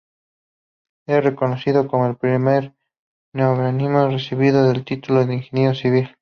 Es reconocido como el primer neogranadino que recibió el título de ingeniero civil.